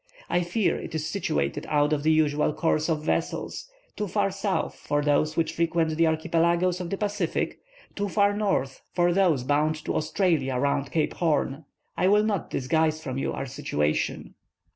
I fear it is situated out of the usual course of vessels, too far south for those which frequent the archipelagoes of the Pacific, too far north for those bound to Australia round Cape Horn. I will not disguise from you our situation."